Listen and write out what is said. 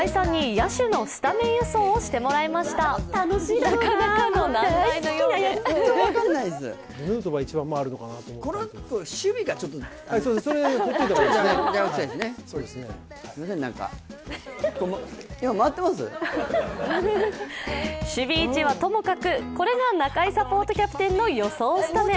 なかなかの難題のようで守備位置はともかくこれが中居サポートキャプテンの予想したスタメン。